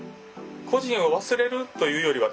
故人を忘れるというよりはですね